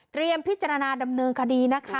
เตรียมพิจารณาดำเนินคดีนะคะ